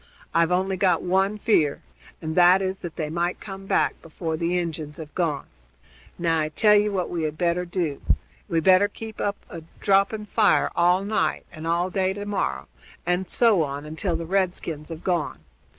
I've only got one fear, and that is that they might come back before the Injuns have gone. Now I tell ye what we had better do we better keep up a dropping fire all night and all day to morrow, and so on, until the redskins have gone.